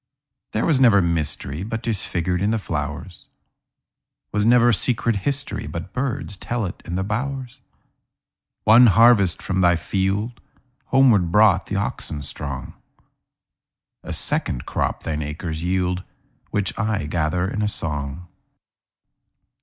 There was never mysteryBut 'tis figured in the flowers; SWas never secret historyBut birds tell it in the bowers. One harvest from thy fieldHomeward brought the oxen strong;A second crop thine acres yield, Which I gather in a song.